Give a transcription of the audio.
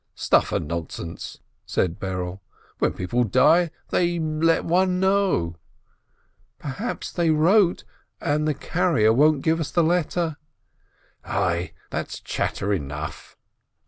"Stuff and nonsense!" said Berele. "When people die, they let one know —" "Perhaps they wrote, and the carrier won't give us the letter—" "Ai, that's chatter enough